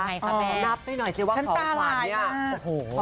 ยังไงคะแมนชั้นตาหลายมากอ๋อโห